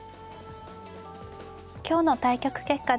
今日の対局結果です。